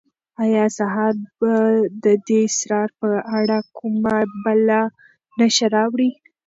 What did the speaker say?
آیا سهار به د دې اسرار په اړه کومه بله نښه راوړي؟